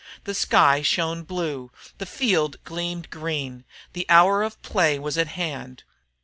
The sky shone blue, the field gleamed green, the hour of play was at hand.